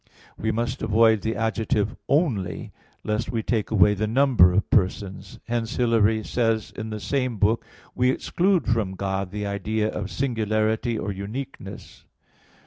We must avoid the adjective "only" (unici) lest we take away the number of persons. Hence Hilary says in the same book: "We exclude from God the idea of singularity or uniqueness."